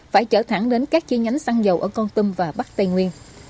phải chở thẳng đến các chi nhánh xăng dầu ở con tâm và bắc tây nguyên